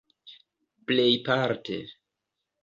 plejparte